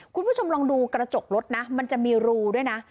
คุณผู้ชมลองดูกระจกรถนะมันจะมีรูด้วยนะ